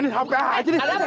hei alah agua nih mah